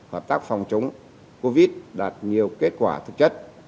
hợp tác phòng chống covid đạt nhiều kết quả thực chất